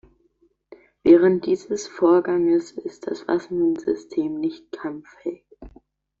Während dieses Vorganges ist das Waffensystem nicht kampffähig.